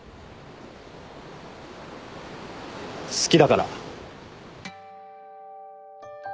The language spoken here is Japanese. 好きだから。